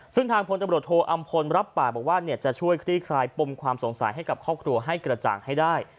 ซึ่งทางพลตำรวจโทอำพลรับปากบอกว่าจะช่วยคลี่คลายปมความสงสัยให้กับครอบครัวให้กระจ่างให้ได้